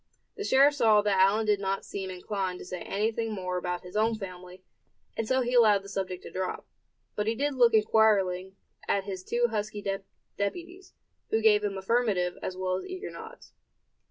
The sheriff saw that Allan did not seem inclined to say anything more about his own family; and so he allowed the subject to drop. But he did look inquiringly at his two husky deputies, who gave him affirmative as well as eager nods.